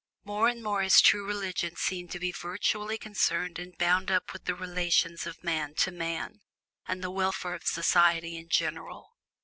More and more is true religion seen to be vitally concerned and bound up with the relations of man to man, and the welfare of society in general.